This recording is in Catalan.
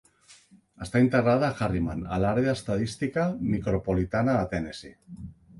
Està integrada a Harriman, a l'àrea estadística micropolitana de Tennessee.